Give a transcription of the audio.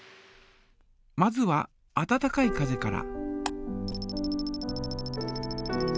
まずは温かい風から。